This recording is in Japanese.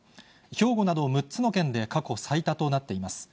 兵庫など６つの県で過去最多となっています。